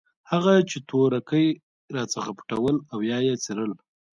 هغه چې تورکي راڅخه پټول او يا يې څيرل.